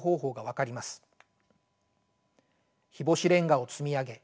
日干しレンガを積み上げ